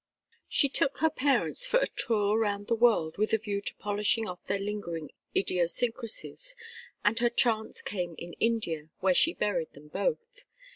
She took her parents for a tour round the world with a view to polishing off their lingering idiosyncrasies, and her chance came in India, where she buried them both.